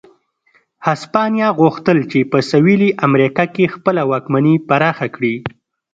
هسپانیا غوښتل په سوېلي امریکا کې خپله واکمني پراخه کړي.